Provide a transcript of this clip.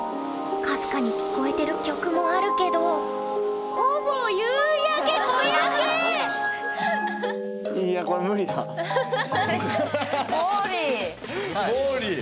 かすかに聞こえてる曲もあるけどほぼいやもーりー！